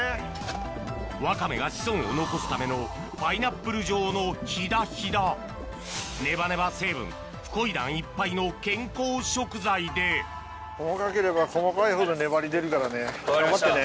ワカメが子孫を残すためのパイナップル状のヒダヒダネバネバ成分フコイダンいっぱいの健康食材で頑張ってね。